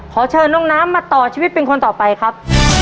ขอเชิญน้องน้ำมาต่อชีวิตเป็นคนต่อไปครับ